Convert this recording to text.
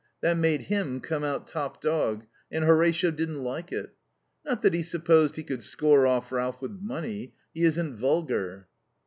That made him come out top dog, and Horatio didn't like it. Not that he supposed he could score off Ralph with money. He isn't vulgar."